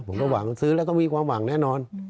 ผมก็หวังซื้อแล้วก็มีความหวังแน่นอน